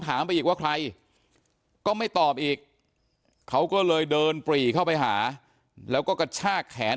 ไปอีกว่าใครก็ไม่ตอบอีกเขาก็เลยเดินปรีเข้าไปหาแล้วก็กระชากแขน